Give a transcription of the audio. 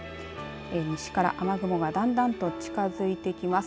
西から雨雲がだんだんと近づいてきます。